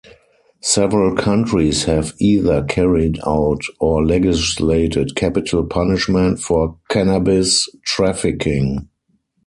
Several countries have either carried out or legislated capital punishment for cannabis trafficking.